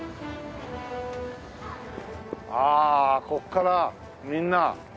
あここからみんな。